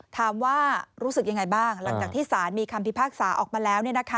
รู้สึกยังไงบ้างหลังจากที่สารมีคำพิพากษาออกมาแล้ว